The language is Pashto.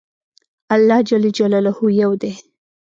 الله ج يو دی